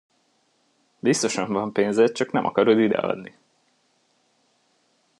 Biztosan van pénzed, csak nem akarod ideadni!